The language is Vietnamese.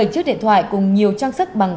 bảy chiếc điện thoại cùng nhiều trang sức bằng